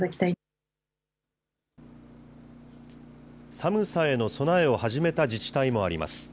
寒さへの備えを始めた自治体もあります。